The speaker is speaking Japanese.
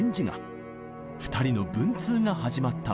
２人の文通が始まったのです。